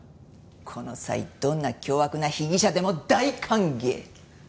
この際どんな凶悪な被疑者でも大歓迎！